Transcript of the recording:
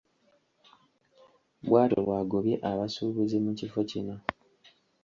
Bw’atyo bw’agobye abasuubuzi mu kifo kino.